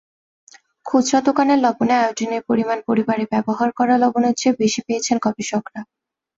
খুচরা দোকানের লবণে আয়োডিনের পরিমাণ পরিবারে ব্যবহার করা লবণের চেয়ে বেশি পেয়েছেন গবেষকেরা।